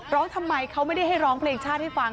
ทำไมเขาไม่ได้ให้ร้องเพลงชาติให้ฟัง